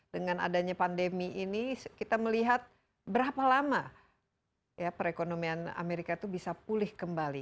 dengan adanya pandemi ini kita melihat berapa lama ya perekonomian amerika itu bisa pulih kembali